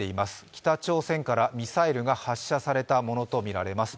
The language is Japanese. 北朝鮮からミサイルが発射されたものとみられます。